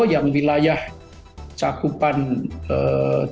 yang wilayah cakupan tugas negara indonesia